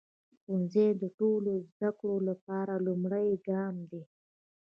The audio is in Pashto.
ښوونځی د ټولو زده کړو لپاره لومړی ګام دی.